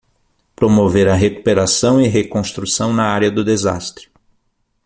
Promover a recuperação e reconstrução na área do desastre